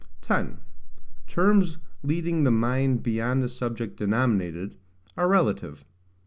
10. Terms leading the Mind beyond the Subject denominated, are relative.